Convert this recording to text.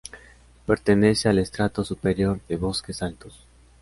Pertenece al estrato superior de bosques altos.